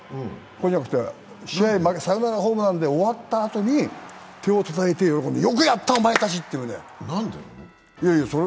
これじゃなくて、サヨナラホームランで終わったあとに手をたたいて喜んでる、よくやった、お前たち！というふうに。